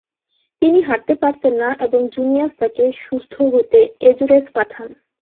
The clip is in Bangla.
তিনি হাঁটতে পারতেন না, এবং জুনিয়াস তাকে সুস্থ্য হতে এজোরেস পাঠান।